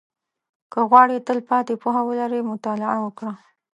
• که غواړې تلپاتې پوهه ولرې، مطالعه وکړه.